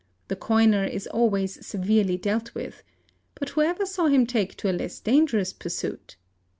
The coiner is always severely dealt with; but whoever saw him take tot . less dangerous pursuit?